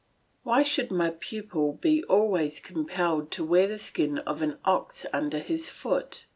Why should my pupil be always compelled to wear the skin of an ox under his foot?